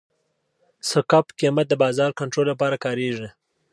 سقف قیمت د بازار کنټرول لپاره کارېږي.